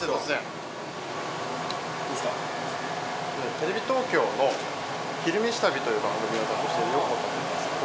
テレビ東京の「昼めし旅」という番組を担当している横田といいますけど。